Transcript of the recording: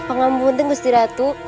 pengambu tenggusti ratu